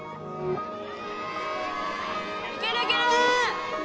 いけるいける！